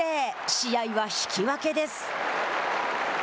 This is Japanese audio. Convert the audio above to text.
試合は引き分けです。